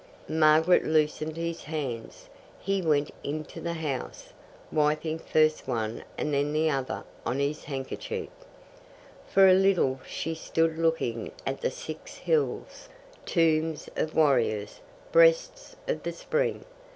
Margaret loosed his hands. He went into the house, wiping first one and then the other on his handkerchief. For a little she stood looking at the Six Hills, tombs of warriors, breasts of the spring.